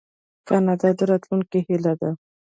کاناډا د راتلونکي هیله ده.